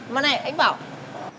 mà này anh bảo